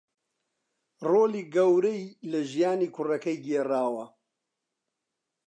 رۆڵی گەورەی لە ژیانی کوڕەکەی گێڕاوە